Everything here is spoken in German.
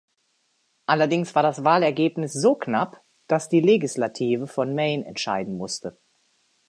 Allerdings war das Wahlergebnis so knapp, dass die Legislative von Maine entscheiden musste.